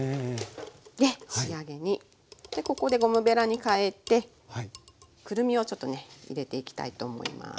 で仕上げにでここでゴムべらに替えてくるみをちょっとね入れていきたいと思います。